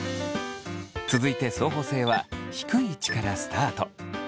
続いて相補性は低い位置からスタート。